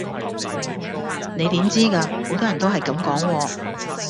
你點知㗎？好多人都係咁講喎